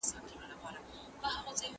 موږ خپل وطن خوښوو.